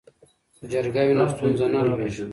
که جرګه وي نو ستونزه نه لویږي.